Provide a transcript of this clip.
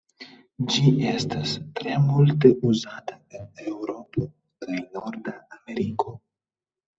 Ĝi estas tre multe uzata en Eŭropo kaj Norda Ameriko.